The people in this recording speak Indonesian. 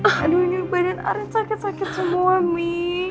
aduh ini badan aret sakit sakit semua mi